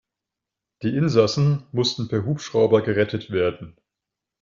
Die Insassen mussten per Hubschrauber gerettet werden.